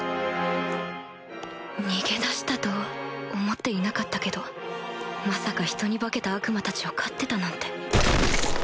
逃げ出したとは思っていなかったけどまさか人に化けた悪魔たちを狩ってたなんて